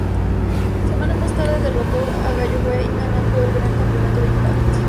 Semanas más tarde, derrotó a Galloway, ganando el Gran Campeonato de Impact.